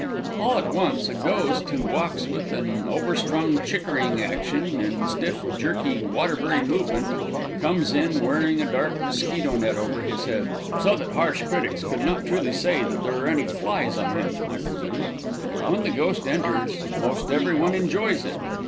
All at once a ghost who walks with an overstrung Chickering action and stiff, jerky, Waterbury movement, comes in, wearing a dark mosquito net over his head so that harsh critics can not truly say there are any flies on him, I presume. When the ghost enters most every one enjoys it.